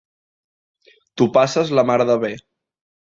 T'ho passes la mar de bé.